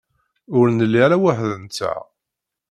Ur nelli ara weḥd-nteɣ.